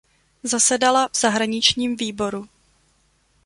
Zasedala v zahraničním výboru.